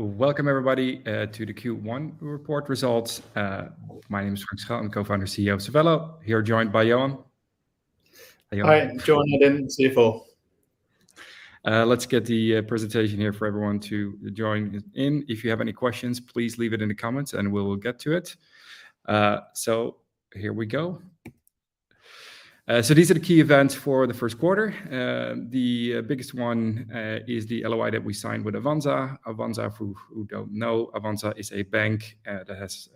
Welcome everybody to the Q1 report results. My name is Frank Schuil. I'm co-founder and Chief Executive Officer of Safello. Here joined by Johan Edin. Hi, Johan Edin, Chief Financial Officer. Let's get the presentation here for everyone to join in. If you have any questions, please leave it in the comments and we'll get to it. So here we go. These are the key events for the first quarter. The biggest one is the Letter of Intent that we signed with Avanza. Avanza, for who don't know, Avanza is a bank that has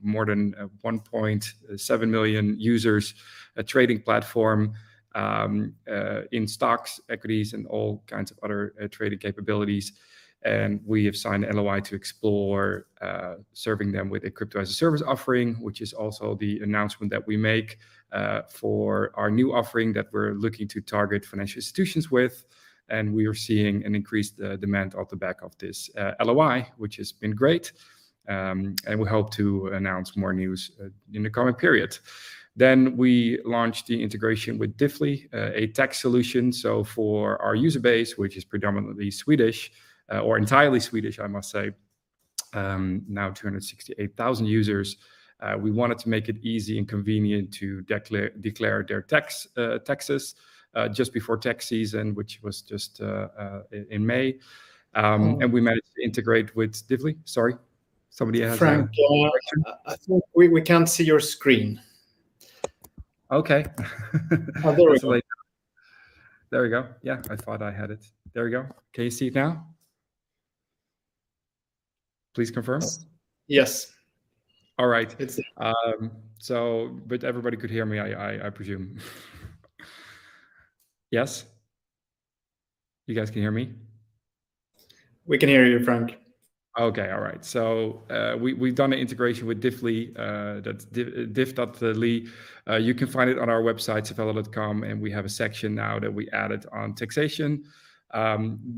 more than 1.7 million users, a trading platform in stocks, equities, and all kinds of other trading capabilities. We have signed an Letter of Intent to explore serving them with a Crypto-as-a-Service offering, which is also the announcement that we make for our new offering that we're looking to target financial institutions with. We are seeing an increased demand off the back of this Letter of Intent, which has been great, and we hope to announce more news in the coming period. We launched the integration with Divly, a tech solution. For our user base, which is predominantly Swedish, or entirely Swedish I must say, now 268,000 users, we wanted to make it easy and convenient to declare their taxes just before tax season, which was just in May. Frank We managed to integrate with Divly. Sorry, somebody has a hand- Frank up. Johan, I think we can't see your screen. Okay. There we go. There we go. Yeah, I thought I had it. There we go. Can you see it now? Please confirm. Yes. All right. It's- Everybody could hear me, I presume. Yes? You guys can hear me? We can hear you, Frank. Okay. All right. We've done an integration with Divly, that's divly.com. You can find it on our website, safello.com, and we have a section now that we added on taxation.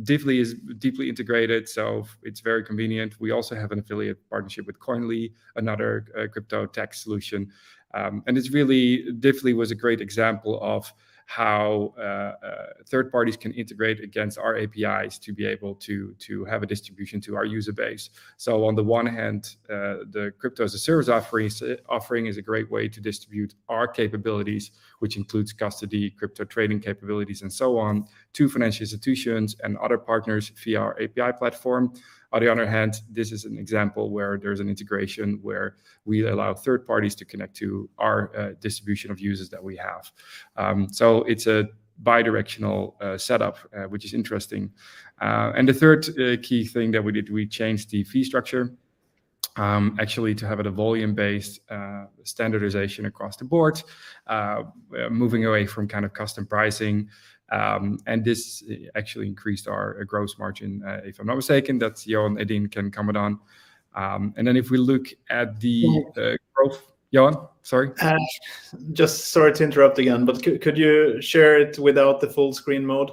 Divly is deeply integrated, so it's very convenient. We also have an affiliate partnership with Koinly, another crypto tax solution. It's really, Divly was a great example of how third parties can integrate against our APIs to be able to have a distribution to our user base. On the one hand, the Crypto-as-a-Service offering is a great way to distribute our capabilities, which includes custody, crypto trading capabilities and so on, to financial institutions and other partners via our API platform. On the other hand, this is an example where there's an integration where we allow third parties to connect to our distribution of users that we have. It's a bidirectional setup, which is interesting. The third key thing that we did, we changed the fee structure, actually to have it a volume-based standardization across the board, moving away from kind of custom pricing. This actually increased our gross margin, if I'm not mistaken. That's Johan Edin can comment on. If we look at the- So- Johan, sorry. Just sorry to interrupt again, but could you share it without the full screen mode?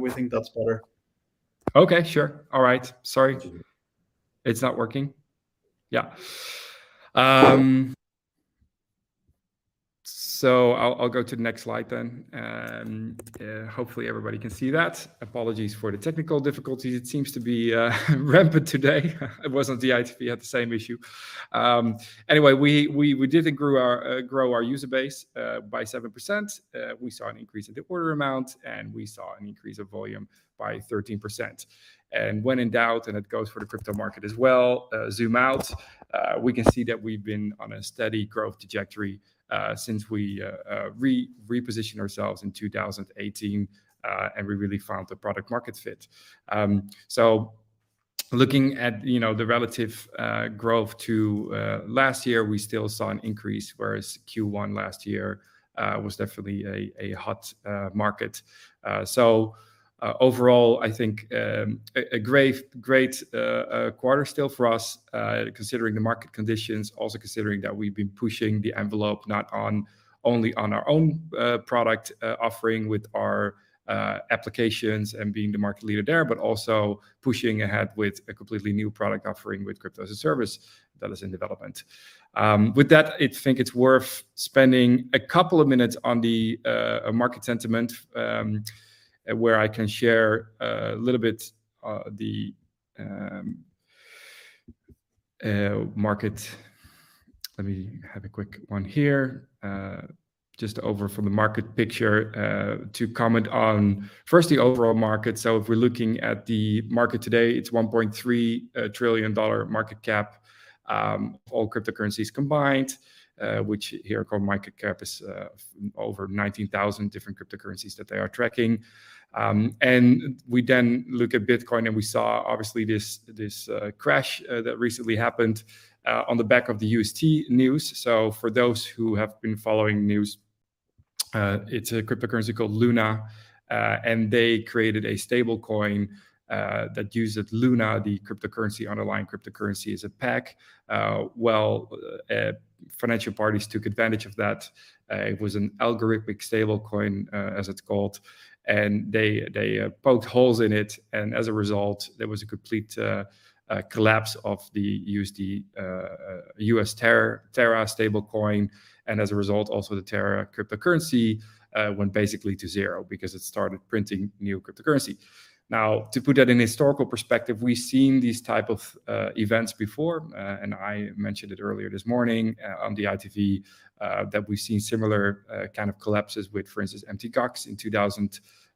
We think that's better. Okay. Sure. All right. Sorry. It's not working? Yeah. So I'll go to the next slide then, and hopefully everybody can see that. Apologies for the technical difficulties. It seems to be rampant today. It wasn't the IT. We had the same issue. Anyway, we did grow our user base by 7%. We saw an increase in the order amount, and we saw an increase of volume by 13%. When in doubt, and it goes for the crypto market as well, zoom out. We can see that we've been on a steady growth trajectory since we repositioned ourselves in 2018, and we really found a product market fit. Looking at, you know, the relative growth to last year, we still saw an increase, whereas Q1 last year was definitely a hot market. Overall I think a great quarter still for us, considering the market conditions, also considering that we've been pushing the envelope not only on our own product offering with our applications and being the market leader there, but also pushing ahead with a completely new product offering with crypto as a service that is in development. With that, I think it's worth spending a couple of minutes on the market sentiment, where I can share a little bit the market. Let me have a quick overview of the market picture, to comment first on the overall market. If we're looking at the market today, it's $1.3 trillion market cap, all cryptocurrencies combined, over 19,000 different cryptocurrencies that they are tracking. We then look at Bitcoin, and we saw obviously this crash that recently happened on the back of the UST news. For those who have been following news, it's a cryptocurrency called Luna, and they created a stablecoin that uses Luna, the underlying cryptocurrency, as a peg. Financial parties took advantage of that. It was an algorithmic stablecoin, as it's called, and they poked holes in it, and as a result, there was a complete collapse of the UST Terra stablecoin. As a result, also the Terra cryptocurrency went basically to zero because it started printing new cryptocurrency. Now, to put that in historical perspective, we've seen these type of events before, and I mentioned it earlier this morning on the ITV, that we've seen similar kind of collapses with, for instance, Mt. Gox in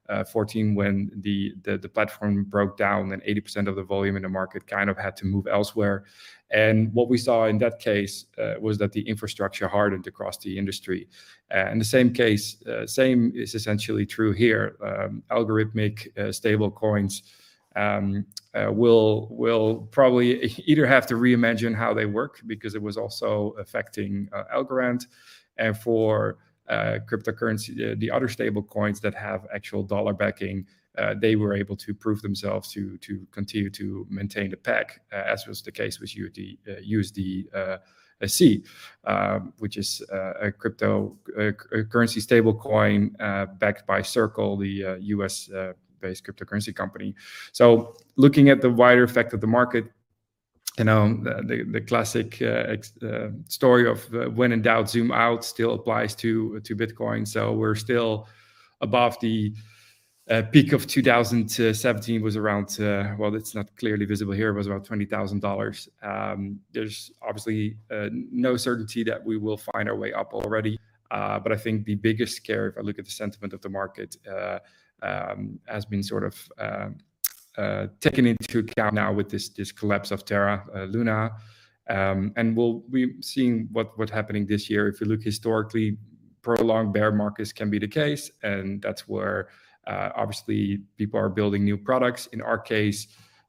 2014 when the platform broke down and 80% of the volume in the market kind of had to move elsewhere. What we saw in that case was that the infrastructure hardened across the industry. The same case same is essentially true here. Algorithmic stablecoins will probably either have to reimagine how they work because it was also affecting Algorand. For cryptocurrency, the other stablecoins that have actual dollar backing, they were able to prove themselves to continue to maintain the peg, as was the case with USD, USDC, which is a cryptocurrency stablecoin backed by Circle, the US-based cryptocurrency company. Looking at the wider effect of the market, you know, the classic story of when in doubt, zoom out still applies to Bitcoin. We're still above the peak of 2017 was around, well it's not clearly visible here. It was about $20,000. There's obviously no certainty that we will find our way up already, but I think the biggest scare if I look at the sentiment of the market has been sort of taken into account now with this collapse of Terra, Luna. We'll be seeing what's happening this year. If you look historically, prolonged bear markets can be the case, and that's where obviously people are building new products. In our case,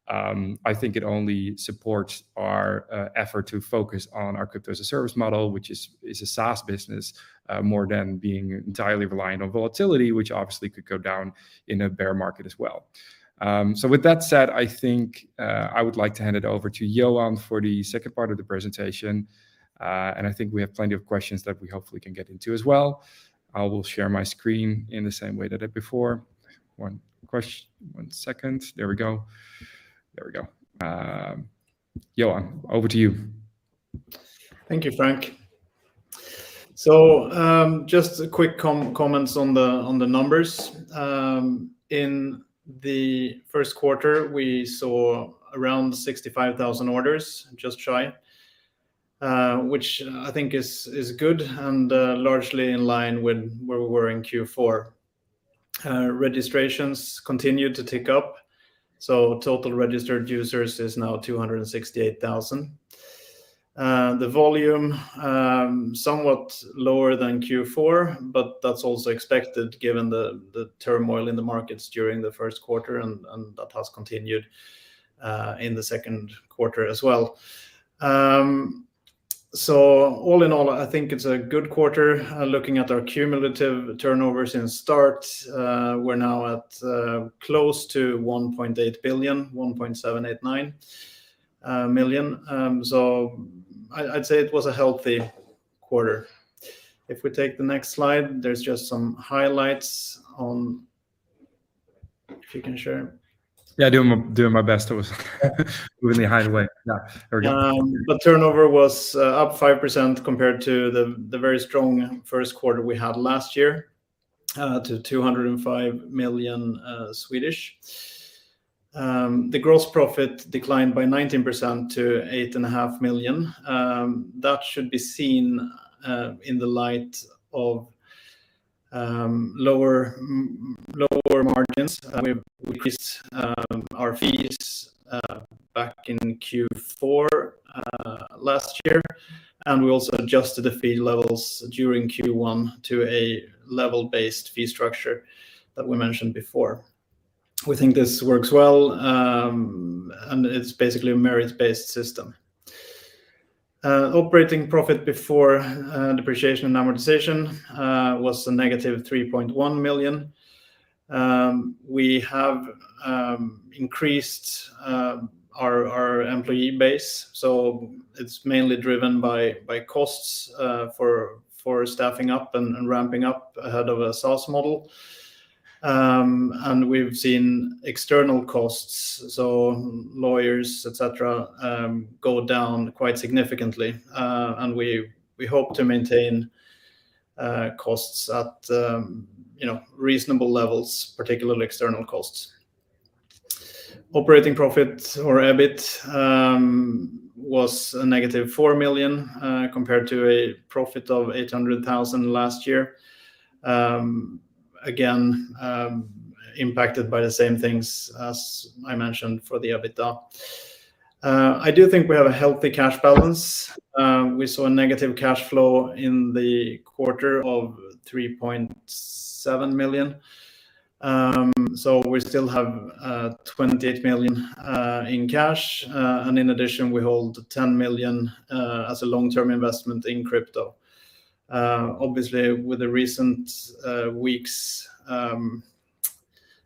I think it only supports our effort to focus on our Crypto-as-a-Service model, which is a SaaS business more than being entirely reliant on volatility, which obviously could go down in a bear market as well. With that said, I think I would like to hand it over to Johan for the second part of the presentation. I think we have plenty of questions that we hopefully can get into as well. I will share my screen in the same way that I did before. One second. There we go. Johan, over to you. Thank you, Frank. Just a quick comments on the numbers. In the first quarter, we saw around 65,000 orders, just shy, which I think is good and largely in line with where we were in Q4. Registrations continued to tick up, so total registered users is now 268,000. The volume, somewhat lower than Q4, but that's also expected given the turmoil in the markets during the first quarter and that has continued in the second quarter as well. All in all, I think it's a good quarter. Looking at our cumulative turnover since start, we're now at close to 1.8 billion, 1.789 billion. I'd say it was a healthy quarter. If we take the next slide, there's just some highlights. If you can share. Yeah, doing my best. I was moving it hideaway. Now, there we go. Turnover was up 5% compared to the very strong first quarter we had last year to 205 million. The gross profit declined by 19% to 8.5 million. That should be seen in the light of lower margins. We've increased our fees back in Q4 last year, and we also adjusted the fee levels during Q1 to a level-based fee structure that we mentioned before. We think this works well, and it's basically a merit-based system. Operating profit before depreciation and amortization was -3.1 million. We have increased our employee base, so it's mainly driven by costs for staffing up and ramping up ahead of a SaaS model. We've seen external costs, so lawyers, et cetera, go down quite significantly. We hope to maintain costs at, you know, reasonable levels, particularly external costs. Operating profit or EBIT was a negative 4 million, compared to a profit of 800,000 last year. Again, impacted by the same things as I mentioned for the EBITDA. I do think we have a healthy cash balance. We saw a negative cash flow in the quarter of 3.7 million. We still have 28 million in cash. In addition, we hold 10 million as a long-term investment in crypto. Obviously with the recent weeks'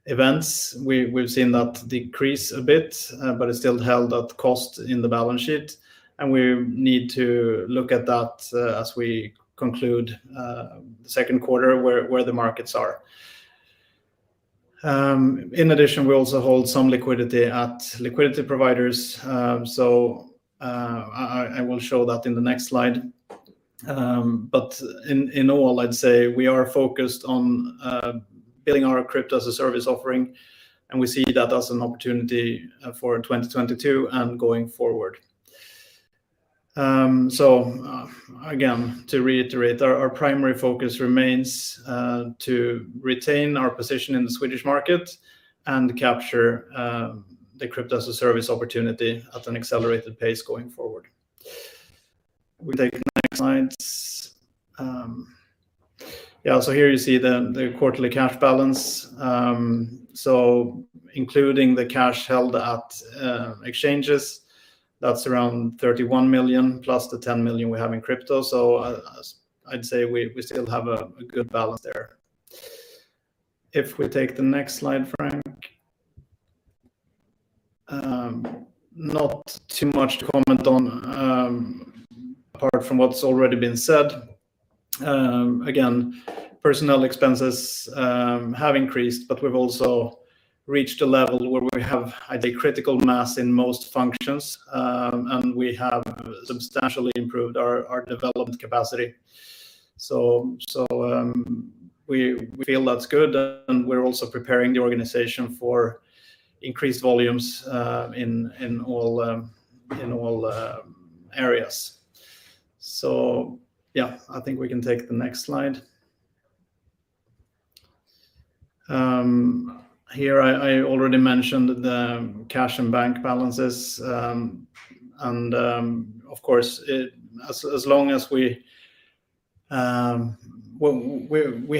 events, we've seen that decrease a bit, but it's still held at cost in the balance sheet, and we need to look at that as we conclude the second quarter, where the markets are. In addition, we also hold some liquidity at liquidity providers, so I will show that in the next slide. In all, I'd say we are focused on building our Crypto-as-a-Service offering, and we see that as an opportunity for 2022 and going forward. Again, to reiterate, our primary focus remains to retain our position in the Swedish market and capture the Crypto-as-a-Service opportunity at an accelerated pace going forward. We take the next slides. Yeah, so here you see the quarterly cash balance. Including the cash held at exchanges, that's around 31 million plus the 10 million we have in crypto. I'd say we still have a good balance there. If we take the next slide, Frank. Not too much to comment on, apart from what's already been said. Again, personnel expenses have increased, but we've also reached a level where we have, I'd say, critical mass in most functions. We have substantially improved our development capacity. We feel that's good, and we're also preparing the organization for increased volumes in all areas. Yeah, I think we can take the next slide. Here I already mentioned the cash and bank balances. Of course, it as long as we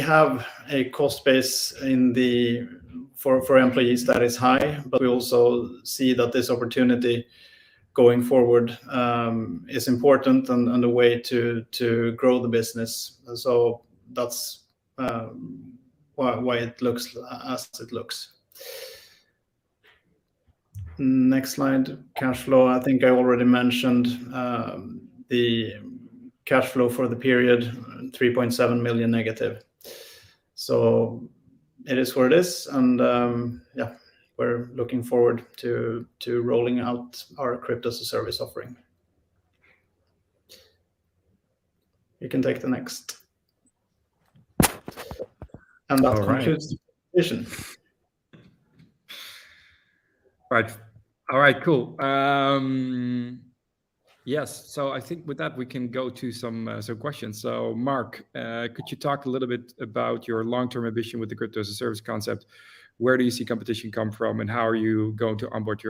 have a cost base in the form of employees that is high, but we also see that this opportunity going forward is important and a way to grow the business. That's why it looks as it looks. Next slide, cash flow. I think I already mentioned the cash flow for the period, -3.7 million. It is what it is, and we're looking forward to rolling out our Crypto-as-a-Service offering. You can take the next. That concludes the presentation. All right. Right. All right, cool. Yes, I think with that we can go to some questions. Mark, could you talk a little bit about your long-term ambition with the Crypto-as-a-Service concept? Where do you see competition come from, and how are you going to onboard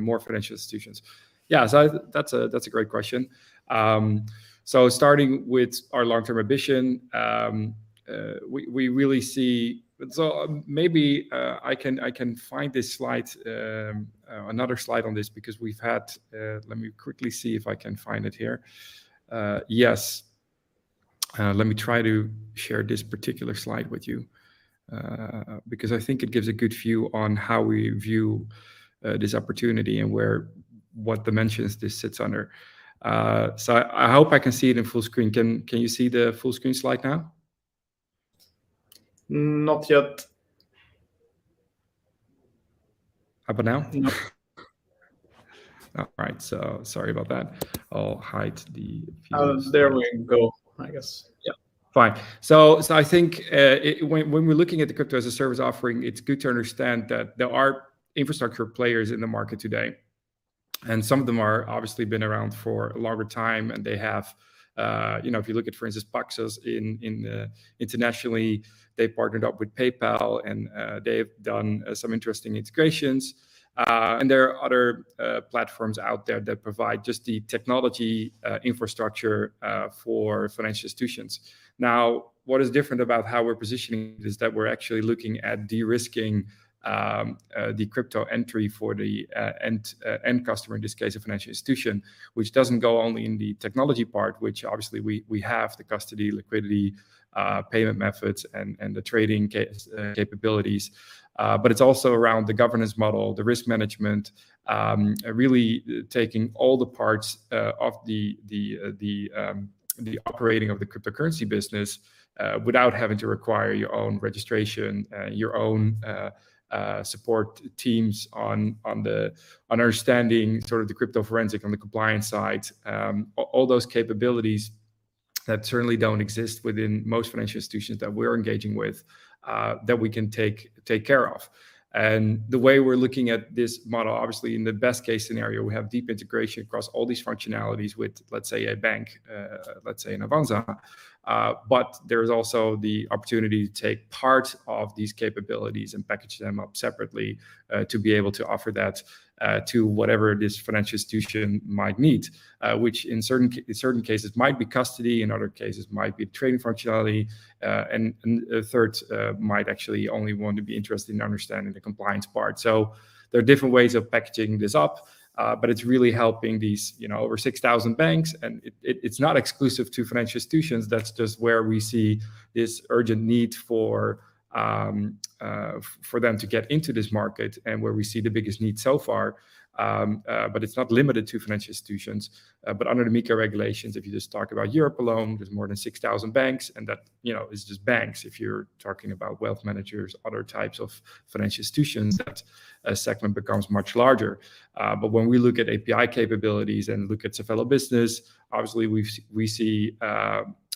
more financial institutions? Yeah, that's a great question. Starting with our long-term ambition, we really see. Maybe I can find this slide, another slide on this, because we've had. Let me quickly see if I can find it here. Yes. Let me try to share this particular slide with you, because I think it gives a good view on how we view this opportunity and what dimensions this sits under. I hope I can see it in full screen. Can you see the full screen slide now? Not yet. How about now? No. All right. Sorry about that. I'll hide the view. Oh, there we go, I guess. Yeah. I think when we're looking at the crypto as a service offering, it's good to understand that there are infrastructure players in the market today, and some of them have obviously been around for a longer time. You know, if you look at, for instance, Paxos internationally, they've partnered up with PayPal, and they've done some interesting integrations. There are other platforms out there that provide just the technology infrastructure for financial institutions. Now, what is different about how we're positioning is that we're actually looking at de-risking the crypto entry for the end customer, in this case a financial institution, which doesn't go only in the technology part, which obviously we have the custody, liquidity, payment methods, and the trading capabilities. It's also around the governance model, the risk management, really taking all the parts of the operating of the cryptocurrency business, without having to require your own registration, your own support teams on understanding sort of the crypto forensics on the compliance side. All those capabilities that certainly don't exist within most financial institutions that we're engaging with, that we can take care of. The way we're looking at this model, obviously in the best case scenario, we have deep integration across all these functionalities with, let's say, a bank, let's say an Avanza. But there is also the opportunity to take part of these capabilities and package them up separately, to be able to offer that, to whatever this financial institution might need, which in certain cases might be custody, in other cases might be trading functionality, and a third might actually only want to be interested in understanding the compliance part. There are different ways of packaging this up, but it's really helping these, you know, over 6,000 banks, and it's not exclusive to financial institutions. That's just where we see this urgent need for them to get into this market and where we see the biggest need so far, but it's not limited to financial institutions. Under the MiCA regulations, if you just talk about Europe alone, there's more than 6,000 banks, and that, you know, is just banks. If you're talking about wealth managers, other types of financial institutions, that segment becomes much larger. When we look at API capabilities and look at Safello Business, obviously we see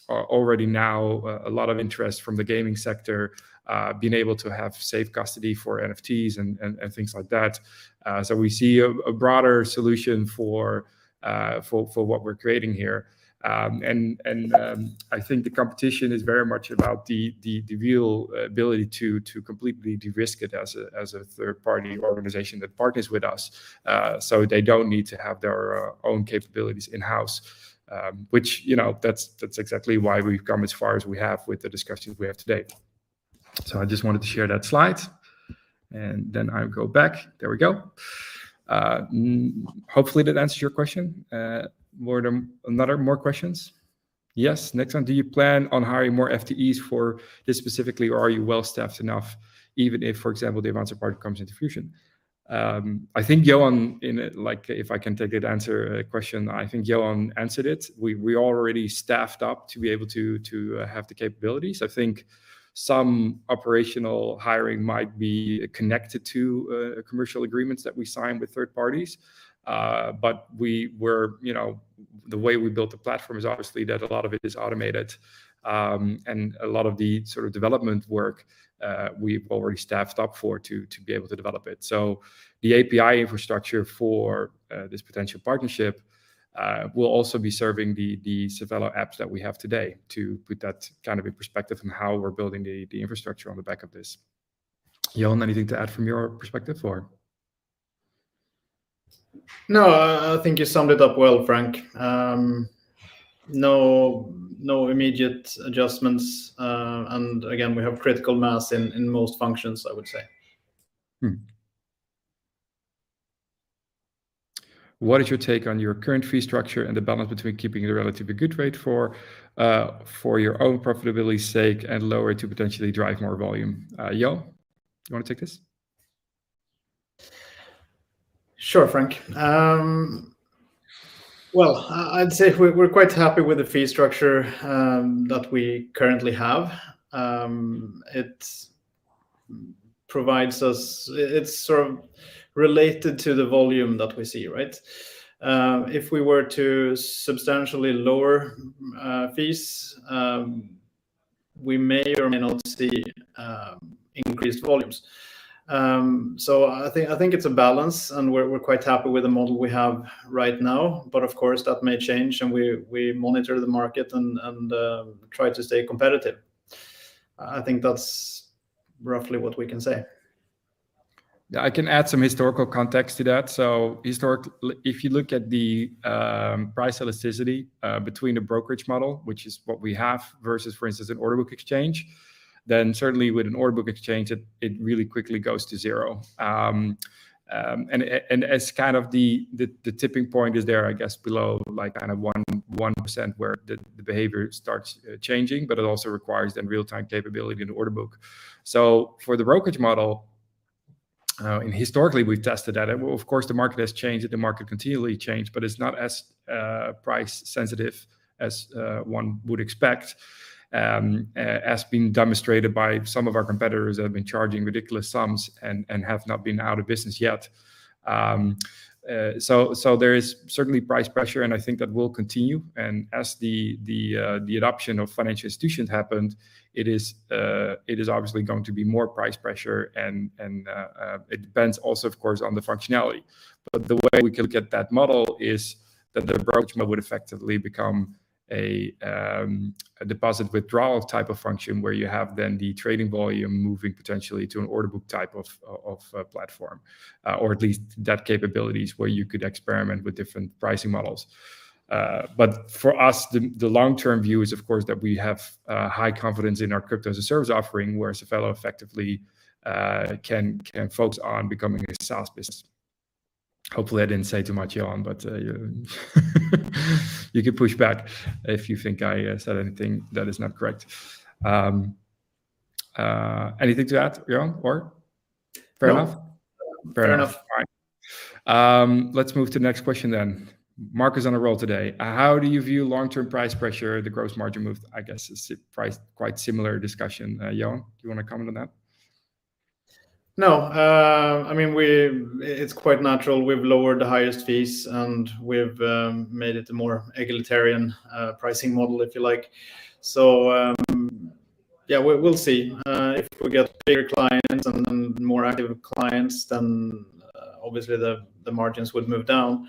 already now a lot of interest from the gaming sector, being able to have safe custody for NFTs and things like that. We see a broader solution for what we're creating here. I think the competition is very much about the real ability to completely de-risk it as a third-party organization that partners with us, so they don't need to have their own capabilities in-house, which, you know, that's exactly why we've come as far as we have with the discussions we have today. I just wanted to share that slide, and then I'll go back. There we go. Hopefully that answers your question. Were there any more questions? Yes. Next one: Do you plan on hiring more FTEs for this specifically, or are you well-staffed enough, even if, for example, the Avanza part comes into fruition? I think Johan answered it. We already staffed up to be able to have the capabilities. I think some operational hiring might be connected to commercial agreements that we sign with third parties. We were, you know, the way we built the platform is obviously that a lot of it is automated, and a lot of the sort of development work, we've already staffed up for to be able to develop it. The API infrastructure for this potential partnership will also be serving the Safello apps that we have today, to put that kind of in perspective in how we're building the infrastructure on the back of this. Johan, anything to add from your perspective or? No, I think you summed it up well, Frank. No immediate adjustments. Again, we have critical mass in most functions, I would say. What is your take on your current fee structure and the balance between keeping a relatively good rate for your own profitability sake and lower it to potentially drive more volume? Johan, you wanna take this? Sure, Frank. Well, I'd say we're quite happy with the fee structure that we currently have. It's sort of related to the volume that we see, right? If we were to substantially lower fees, we may or may not see increased volumes. I think it's a balance, and we're quite happy with the model we have right now. Of course, that may change, and we monitor the market and try to stay competitive. I think that's roughly what we can say. Yeah, I can add some historical context to that. Historically, if you look at the price elasticity between a brokerage model, which is what we have, versus, for instance, an order book exchange, then certainly with an order book exchange, it really quickly goes to zero. As kind of the tipping point is there, I guess, below, like, kind of 1%, where the behavior starts changing, but it also requires then real-time capability in the order book. For the brokerage model, and historically we've tested that, and of course, the market has changed, and the market continually change, but it's not as price sensitive as one would expect, as has been demonstrated by some of our competitors that have been charging ridiculous sums and have not been out of business yet. There is certainly price pressure, and I think that will continue. As the adoption of financial institutions happens, it is obviously going to be more price pressure and it depends also, of course, on the functionality. The way we can look at that model is that the brokerage model would effectively become a deposit withdrawal type of function, where you have then the trading volume moving potentially to an order book type of platform, or at least that capabilities where you could experiment with different pricing models. For us, the long-term view is, of course, that we have high confidence in our Crypto-as-a-Service offering, where Safello effectively can focus on becoming a SaaS business. Hopefully, I didn't say too much, Johan, but you can push back if you think I said anything that is not correct. Anything to add, Johan, or fair enough? No. Fair enough. Fair enough. All right. Let's move to the next question then. Mark is on a roll today. How do you view long-term price pressure? The gross margin move, I guess, is price, quite similar discussion. Johan, do you wanna comment on that? No. I mean, it's quite natural. We've lowered the highest fees, and we've made it a more egalitarian pricing model if you like. Yeah, we'll see. If we get bigger clients and then more active clients, then obviously the margins would move down,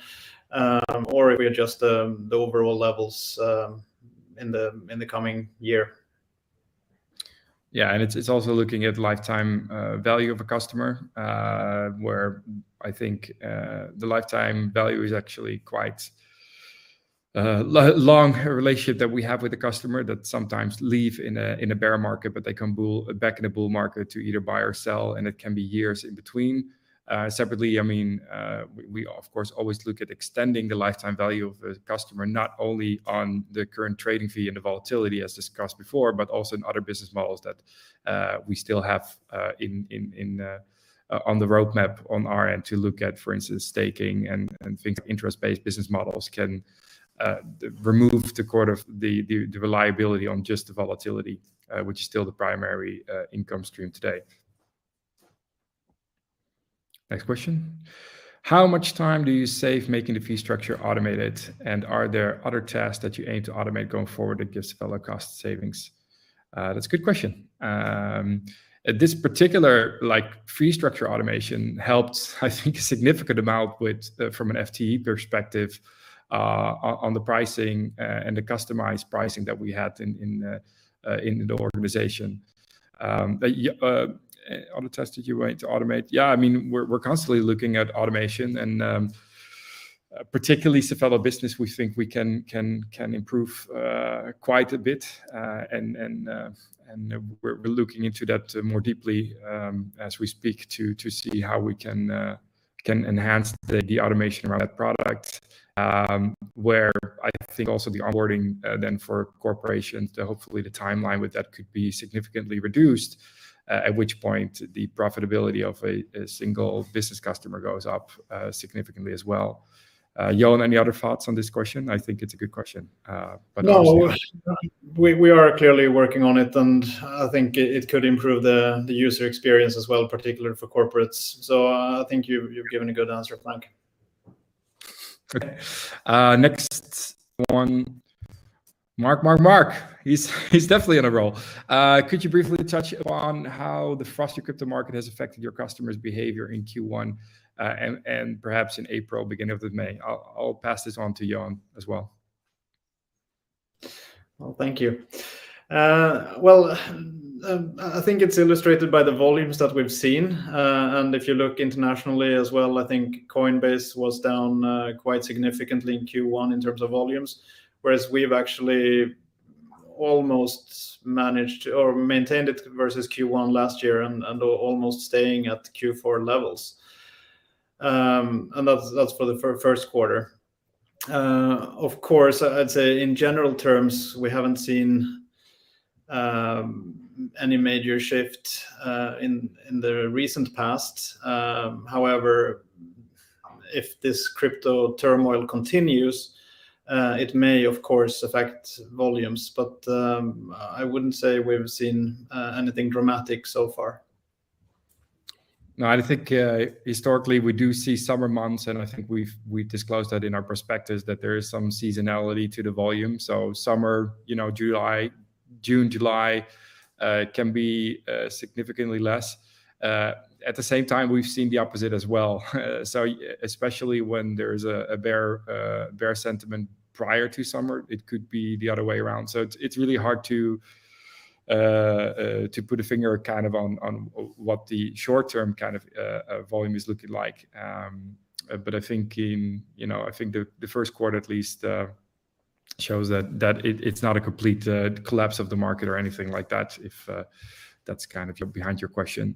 or if we adjust the overall levels in the coming year. It's also looking at lifetime value of a customer, where I think the lifetime value is actually quite a long relationship that we have with the customer that sometimes leave in a bear market, but they come back in a bull market to either buy or sell, and it can be years in between. Separately, I mean, we of course always look at extending the lifetime value of a customer, not only on the current trading fee and the volatility as discussed before, but also in other business models that we still have in on the roadmap on our end to look at, for instance, staking and things like interest-based business models can remove the core of the reliability on just the volatility, which is still the primary income stream today. Next question. How much time do you save making the fee structure automated, and are there other tasks that you aim to automate going forward that gives Safello cost savings? That's a good question. This particular, like, fee structure automation helps, I think, a significant amount with, from an FTE perspective, on the pricing, and the customized pricing that we had in the organization. Yeah, other tasks that you aim to automate. Yeah, I mean, we're constantly looking at automation and, particularly Safello Business, we think we can improve quite a bit, and we're looking into that more deeply, as we speak to see how we can enhance the automation around that product, where I think also the onboarding, then for corporations to hopefully the timeline with that could be significantly reduced, at which point the profitability of a single business customer goes up, significantly as well. Johan, any other thoughts on this question? I think it's a good question. No, we are clearly working on it, and I think it could improve the user experience as well, particularly for corporates. I think you've given a good answer, Frank. Okay. Next one. Mark. He's definitely on a roll. Could you briefly touch upon how the frozen crypto market has affected your customers' behavior in Q1, and perhaps in April, beginning of May? I'll pass this on to Johan as well. Well, thank you. I think it's illustrated by the volumes that we've seen. If you look internationally as well, I think Coinbase was down quite significantly in Q1 in terms of volumes, whereas we've actually almost managed or maintained it versus Q1 last year and almost staying at Q4 levels. That's for the first quarter. Of course, I'd say in general terms, we haven't seen any major shift in the recent past. However, if this crypto turmoil continues, it may, of course, affect volumes. I wouldn't say we've seen anything dramatic so far. No, I think historically, we do see summer months, and I think we've disclosed that in our prospects that there is some seasonality to the volume. Summer, you know, July, June, July, can be significantly less. At the same time, we've seen the opposite as well. Especially when there is a bear sentiment prior to summer, it could be the other way around. It's really hard to put a finger kind of on what the short term kind of volume is looking like. I think, you know, I think the first quarter at least shows that it's not a complete collapse of the market or anything like that, if that's kind of behind your question.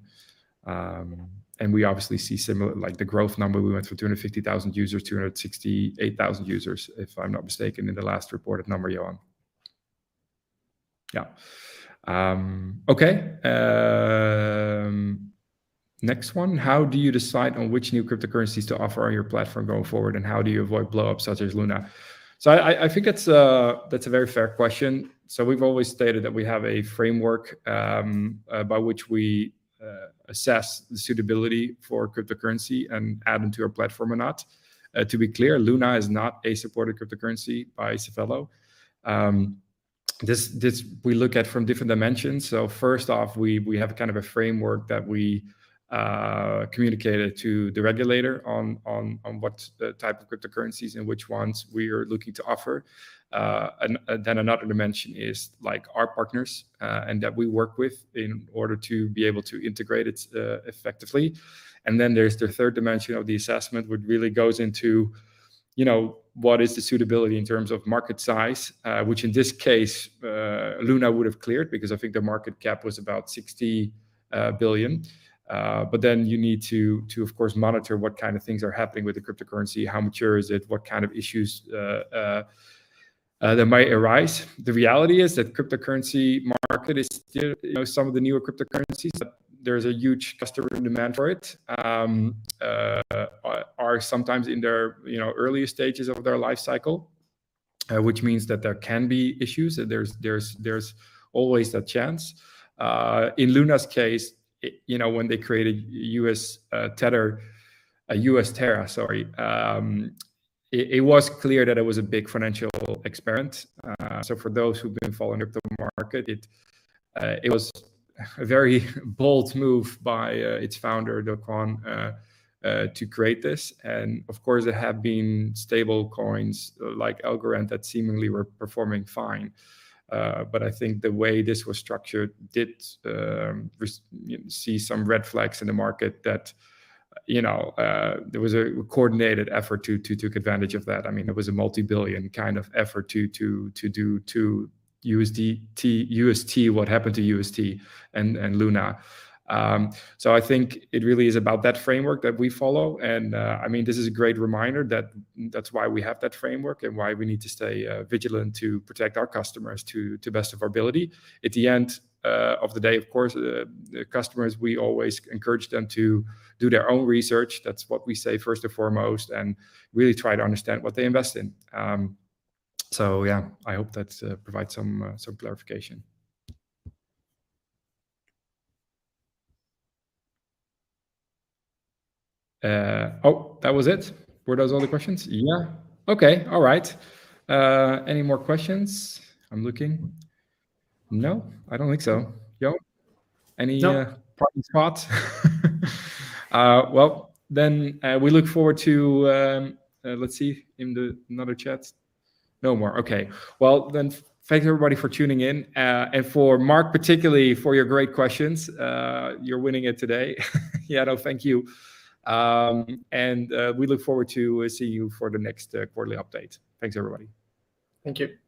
We obviously see similar, like the growth number, we went from 250,000 users, 268,000 users, if I'm not mistaken, in the last reported number, Johan. Yeah. Okay. Next one. How do you decide on which new cryptocurrencies to offer on your platform going forward, and how do you avoid blowups such as Luna? I think that's a very fair question. We've always stated that we have a framework by which we assess the suitability for cryptocurrency and add into our platform or not. To be clear, Luna is not a supported cryptocurrency by Safello. This we look at from different dimensions. First off, we have kind of a framework that we communicated to the regulator on what type of cryptocurrencies and which ones we are looking to offer. Then another dimension is like our partners and that we work with in order to be able to integrate it effectively. Then there's the third dimension of the assessment, which really goes into, you know, what is the suitability in terms of market size, which in this case, LUNA would have cleared because I think the market cap was about $60 billion. But then you need to, of course, monitor what kind of things are happening with the cryptocurrency, how mature is it, what kind of issues that might arise. The reality is that cryptocurrency market is still, you know, some of the newer cryptocurrencies, there's a huge customer demand for it, are sometimes in their, you know, early stages of their life cycle. Which means that there can be issues, there's always that chance. In LUNA's case, you know, when they created UST, U.S. Terra, sorry, it was clear that it was a big financial experiment. For those who've been following the crypto market, it was a very bold move by its founder Do Kwon to create this. Of course, there have been stablecoins like DAI that seemingly were performing fine. I think the way this was structured did see some red flags in the market that, you know, there was a coordinated effort to take advantage of that. I mean, it was a multi-billion kind of effort to do to USDT what happened to UST and LUNA. I think it really is about that framework that we follow, and I mean, this is a great reminder that that's why we have that framework and why we need to stay vigilant to protect our customers to the best of our ability. At the end of the day, of course, customers, we always encourage them to do their own research. That's what we say first and foremost, and really try to understand what they invest in. Yeah, I hope that provides some clarification. Oh, that was it. Were those all the questions? Yeah. Okay. All right. Any more questions? I'm looking. No, I don't think so. Jo? Any No Parting thoughts? Well, we look forward to another chat. No more. Okay. Well, thank everybody for tuning in, and for Mark particularly for your great questions. You're winning it today. Johan, thank you. We look forward to see you for the next quarterly update. Thanks everybody. Thank you.